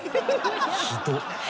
ひどっ。